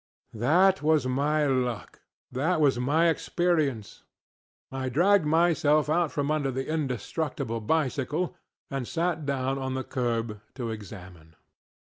That was my luck; that was my experience. I dragged myself out from under the indestructible bicycle and sat down on the curb to examine.